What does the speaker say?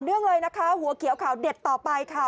งเลยนะคะหัวเขียวข่าวเด็ดต่อไปค่ะ